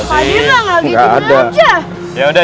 pak jena nggak gitu gitu aja